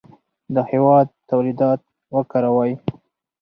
د هېواد تولیدات وکاروئ.